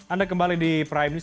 anda kembali di prime news